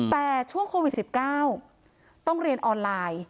แต่ช่วงโควิด๑๙ต้องเรียนออนไลน์